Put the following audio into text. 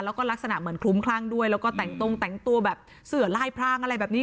แล้วก็ลักษณะเหมือนคลุ้มคลั่งด้วยแล้วก็แต่งตรงแต่งตัวแบบเสือลายพรางอะไรแบบนี้